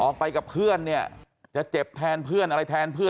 ออกไปกับเพื่อนเนี่ยจะเจ็บแทนเพื่อนอะไรแทนเพื่อน